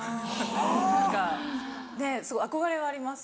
何かねすごい憧れはあります